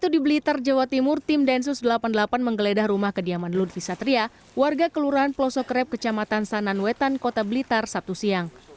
di kawasan timur tim densus delapan puluh delapan menggeledah rumah kediaman ludvi satria warga kelurahan pelosok rep kecamatan sananwetan kota blitar sabtu siang